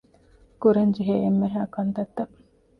ކުރަންޖެހޭ އެންމެހައި ކަންތައްތައް